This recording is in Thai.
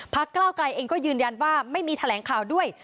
ก้าวไกลเองก็ยืนยันว่าไม่มีแถลงข่าวด้วย